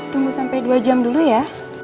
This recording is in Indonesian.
tunggu sampai dua jam dulu ya